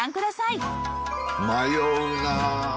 迷うな。